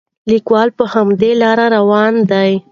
لیکوال په همدې لاره روان دی.